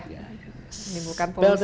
ini bukan polusi